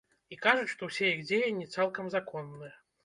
І кажуць, што ўсе іх дзеянні цалкам законныя.